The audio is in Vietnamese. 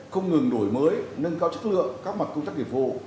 không ngừng đổi mới nâng cao chất lượng các mặt công tác kỷ phụ